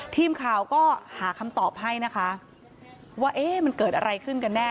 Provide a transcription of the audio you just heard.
ทีมข่าวก็หาคำตอบให้นะคะว่าเอ๊ะมันเกิดอะไรขึ้นกันแน่